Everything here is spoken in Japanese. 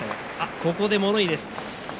ここで物言いです。